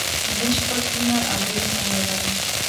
زه شپږ وروڼه او درې خويندې لرم.